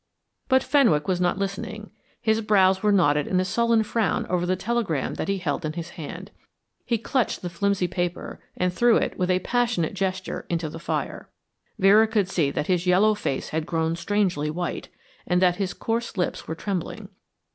But Fenwick was not listening. His brows were knotted in a sullen frown over the telegram that he held in his hand. He clutched the flimsy paper and threw it with a passionate gesture into the fire. Vera could see that his yellow face had grown strangely white, and that his coarse lips were trembling.